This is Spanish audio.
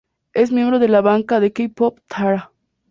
Es miembro de la banda de K-Pop T-ara.